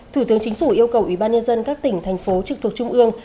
thủ tướng chính phủ yêu cầu ủy ban nhân dân các tỉnh thành phố trực thuộc trung ương